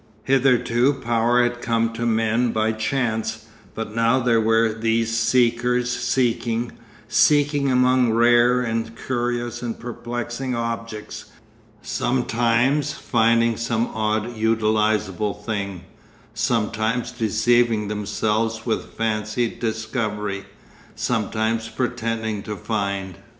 Hitherto Power had come to men by chance, but now there were these seekers seeking, seeking among rare and curious and perplexing objects, sometimes finding some odd utilisable thing, sometimes deceiving themselves with fancied discovery, sometimes pretending to find.